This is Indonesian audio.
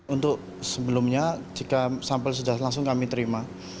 untuk sebelumnya jika sampel sudah langsung kami terima